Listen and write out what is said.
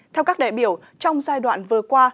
theo các đại biểu trong giai đoạn vừa qua